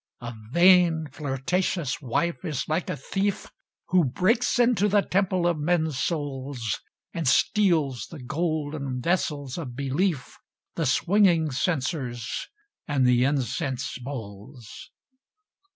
A vain, flirtatious wife is like a thief Who breaks into the temple of men's souls, And steals the golden vessels of belief, The swinging censers, and the incense bowls.